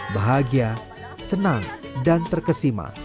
bahagia senang dan terkesima